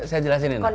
jadi saya jelasin ini